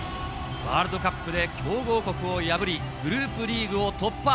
ワールドカップで強豪国を破り、グループリーグを突破。